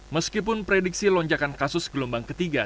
meskipun prediksi lonjakan kasus gelombang ketiga